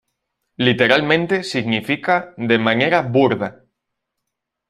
Literalmente significa "de manera burda".